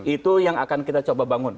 itu yang akan kita coba bangun